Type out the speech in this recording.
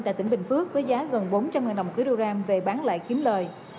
tại tỉnh bình phước với giá gần bốn trăm linh đồng kg về bán lại kiếm lời